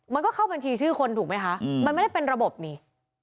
มันก็เข้าบัญชีชื่อคนถูกไหมคะมันไม่ได้เป็นระบบนี่